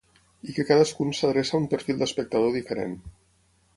I que cadascun s’adreça a un perfil d’espectador diferent.